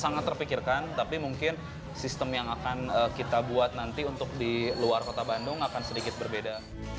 sangat terpikirkan tapi mungkin sistem yang akan kita buat nanti untuk di luar kota bandung akan sedikit berbeda